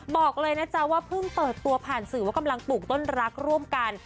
บอกเลยนะจ๊ะว่าเพิ่งเปิดตัวผ่านสื่อว่ากำลังปลูกต้นรักร่วมกัน